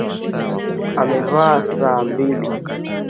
Amevaa saa mbili